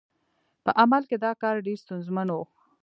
په عمل کې دا کار ډېر ستونزمن و.